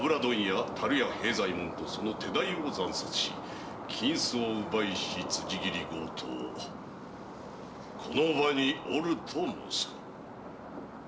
・樽屋平左衛門とその手代を惨殺し金子を奪いし辻斬り強盗この場におると申すか？